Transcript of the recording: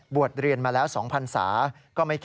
บวชเรียนมาแล้ว๒๐๐๐สา